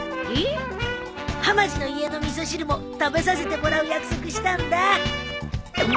えっ？はまじの家の味噌汁も食べさせてもらう約束したんだ。